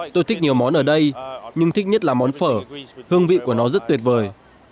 tôi thích nhiều món ở đây nhưng thích nhất là món phở hương vị của nó rất tuyệt vời